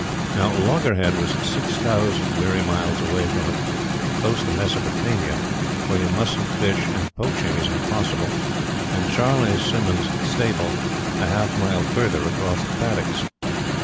Now Loggerhead was six thousand weary miles away from us, close to Mesopotamia, where you mustn't fish and poaching is impossible, and Charley Symonds' stable a half mile further across the paddocks.